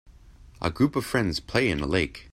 A group of friends play in a lake.